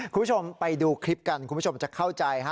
คุณผู้ชมไปดูคลิปกันคุณผู้ชมจะเข้าใจฮะ